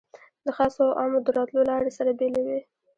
د خاصو او عامو د راتلو لارې سره بېلې وې.